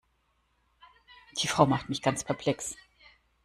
Die Frau macht mich ganz perplex.